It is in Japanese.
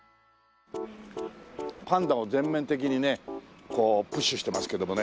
パンダを全面的にねこうプッシュしてますけどもね。